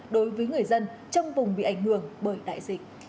đối với người dân trong vùng bị ảnh hưởng bởi đại dịch